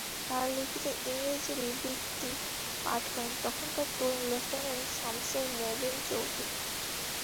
তাঁর লিখিত ইংরেজি বিবৃতি পাঠ করেন তখনকার তরুণ লেফটেন্যান্ট শমসের মবিন চৌধুরী।